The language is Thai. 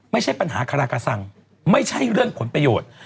ไม่ใช่ปัญหาคารากสังไม่ใช่เรื่องผลประโยชน์